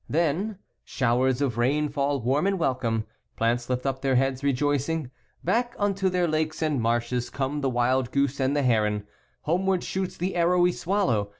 Then, Showers of rain fall warm and welcome, Plants lift up their heads rejoicing, Back unto their lakes and marshes Come the wild goose and the heron, Homeward shoots the arrowy swallow.